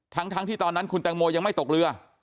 ทั้งที่ตอนนั้นคุณแตงโมยังไม่ตกเรือ